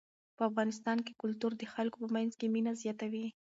په افغانستان کې کلتور د خلکو په منځ کې مینه زیاتوي.